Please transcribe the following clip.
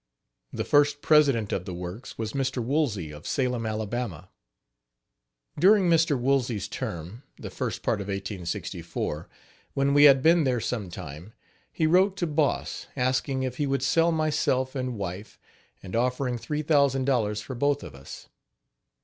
The first president of the works was Mr. Woolsey, of Salem, Alabama. During Mr. Woolsey's term, the first part of 1864, when we had been there some time, he wrote to Boss asking if he would sell myself and wife, and offering $3,000 for both of us.